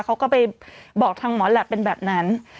เขาก็ไปบอกทางหมอแหลปเป็นแบบนั้น